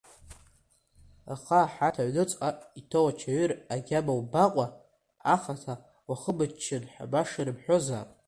Аха аҳаҭа аҩныҵҟа иҭоу ачаҩыр агьама умбакәа, ахаҭа уахымыччан ҳәа баша ирымҳәозаап!